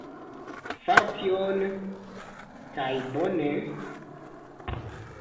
Faru tion... kaj bone...